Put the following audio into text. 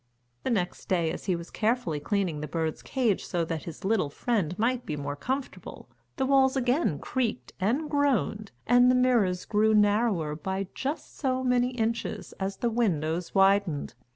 The next day, as he was carefully cleaning the bird's cage so that his little friend might be more comfortable, the walls again creaked and groaned and the mirrors grew narrower by just so many inches as the windows widened.